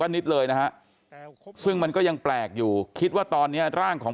นิดเลยนะฮะซึ่งมันก็ยังแปลกอยู่คิดว่าตอนนี้ร่างของ